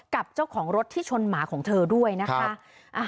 กับเจ้าของรถที่ชนหมาของเธอด้วยนะคะ